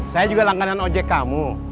saya juga langganan ojek kamu